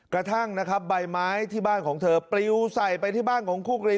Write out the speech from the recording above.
กระทั่งนะครับใบไม้ที่บ้านของเธอปลิวใส่ไปที่บ้านของคู่กรณี